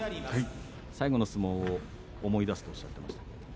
最後の相撲を思い出すとおっしゃっていました。